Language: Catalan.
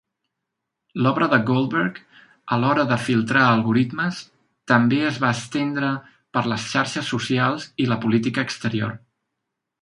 L'obra de Goldberg a l'hora de filtrar algoritmes també es va estendre per les xarxes socials i la política exterior.